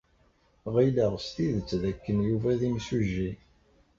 Ɣileɣ s tidet dakken Yuba d imsujji.